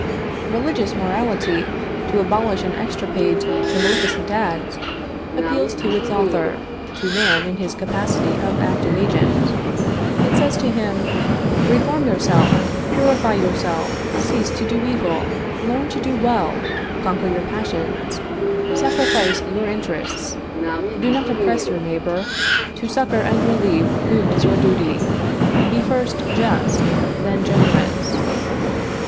Religious morality, to abolish and extirpate the maleficent act, appeals to its author, to man in his capacity of active agent. It says to him: "Reform yourself; purify yourself; cease to do evil; learn to do well; conquer your passions; sacrifice your interests; do not oppress your neighbor, to succor and relieve whom is your duty; be first just, then generous."